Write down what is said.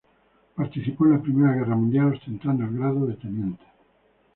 Participó en la Primera Guerra Mundial ostentando el grado de teniente.